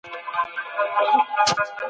د قران ايتونه د ژوند لارښود دي.